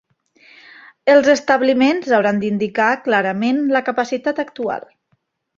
Els establiments hauran d’indicar clarament la capacitat actual.